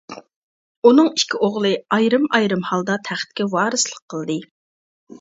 ئۇنىڭ ئىككى ئوغلى ئايرىم-ئايرىم ھالدا تەختكە ۋارىسلىق قىلدى.